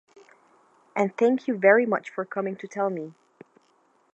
And thank you very much for coming to tell me.